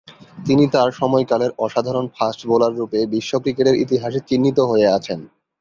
তিনি তার সময়কালের অসাধারণ ফাস্ট বোলাররূপে বিশ্ব ক্রিকেটের ইতিহাসে চিহ্নিত হয়ে আছেন।